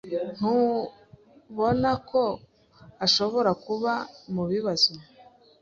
Ntubona ko ashobora kuba mubibazo?